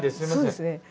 そうですね。